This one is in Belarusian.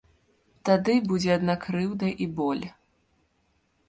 Тады будзе адна крыўда і боль.